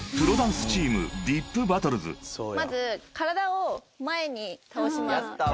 まず体を前に倒します。